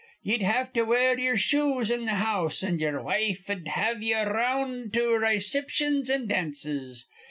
Ye'd have to wear ye'er shoes in th' house, an' ye'er wife'd have ye around to rayciptions an dances.'